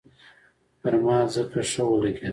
پر ما ځکه ښه ولګېد.